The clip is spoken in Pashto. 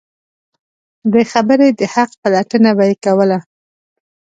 د خبرې د حق پلټنه به یې ورته کوله.